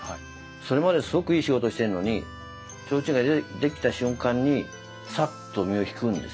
それまですごくいい仕事してるのに提灯が出来た瞬間にさっと身を引くんですよ。